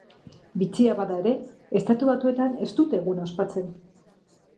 Bitxia bada ere, Estatu Batuetan ez dute eguna ospatzen.